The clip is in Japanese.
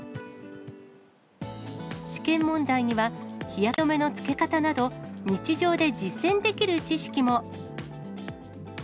試験問題には、日焼け止めの付け方など、日常で実践できる知識も。